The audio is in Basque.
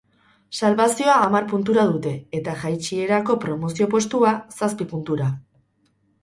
Salbazioa hamar puntura dute, eta jaitsierako promozio postua, zazpi puntura.